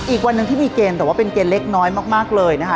อีกวันหนึ่งที่มีเกณฑ์แต่ว่าเป็นเกณฑ์เล็กน้อยมากเลยนะคะ